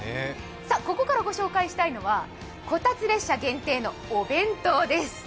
ここからご紹介したいのは、こたつ列車限定のお弁当です。